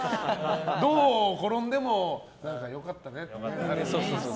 どう転んでもよかったね。